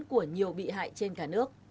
của nhiều bị hại trên cả nước